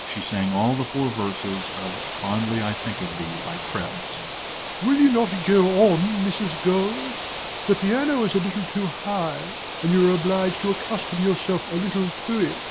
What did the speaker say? She sang all the four verses of "Fondly I Think of Thee" by Krebs._) DOMINIE. Will you not go on, Mrs. Gold? The piano is a little too high, and you are obliged to accustom yourself a little to it.